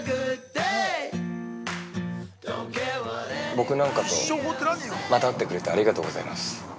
僕なんかとまた会ってくれてありがとうございます。